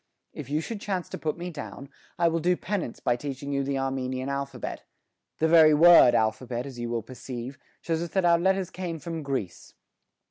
"If you should chance to put me down, I will do penance by teaching you the Armenian alphabet the very word alphabet, as you will perceive, shows us that our letters came from Greece.